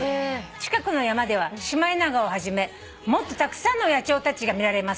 「近くの山ではシマエナガをはじめもっとたくさんの野鳥たちが見られます」